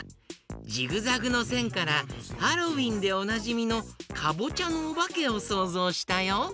ジグザグのせんからハロウィーンでおなじみのかぼちゃのおばけをそうぞうしたよ。